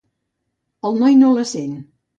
El noi no la sent.